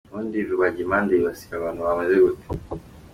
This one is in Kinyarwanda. Ubundi rubagimpande yibasira abantu bameze gute ?.